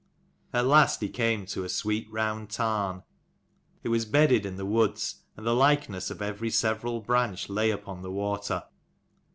At last he came to a sweet round tarn. It was bedded in the woods, and the likeness of every several 86 branch lay upon the water.